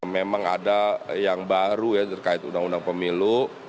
memang ada yang baru ya terkait undang undang pemilu